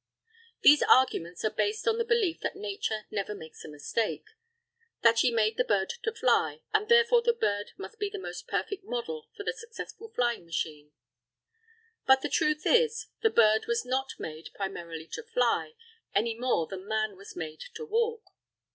These arguments are based on the belief that Nature never makes a mistake; that she made the bird to fly, and therefore the bird must be the most perfect model for the successful flying machine. But the truth is, the bird was not made primarily to fly, any more than man was made to walk.